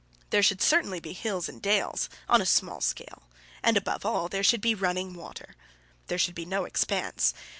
There should certainly be hills and dales, on a small scale; and above all, there should be running water. There should be no expanse.